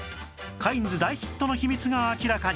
カインズ大ヒットの秘密が明らかに